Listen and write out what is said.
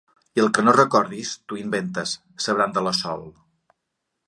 I el que no recordis, t'ho inventes —s'abranda la Sol—.